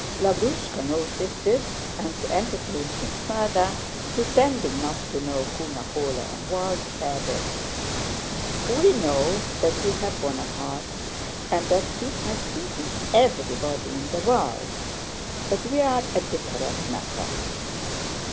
Lavrúshka noticed this and to entertain him further, pretending not to know who Napoleon was, added: "We know that you have Bonaparte and that he has beaten everybody in the world, but we are a different matter..."